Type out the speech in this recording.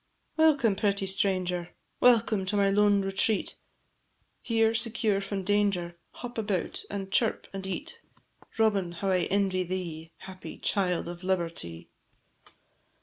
Welcome, pretty little stranger! Welcome to my lone retreat! Here, secure from every danger, Hop about, and chirp, and eat: Robin! how I envy thee, Happy child of Liberty!